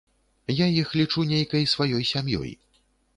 Я іх лічу нейкай сваёй сям'ёй.